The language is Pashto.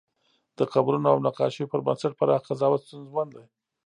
د قبرونو او نقاشیو پر بنسټ پراخ قضاوت ستونزمن دی.